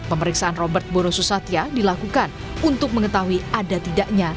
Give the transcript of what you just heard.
pemeriksaan robert boro susatya dilakukan untuk mengetahui ada tidaknya